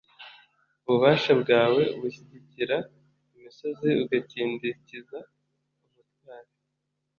ububasha bwawe bushyigikira imisozi, ugakindikiza ubutwari